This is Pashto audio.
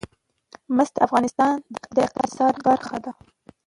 مس د افغانستان د اقتصاد برخه ده.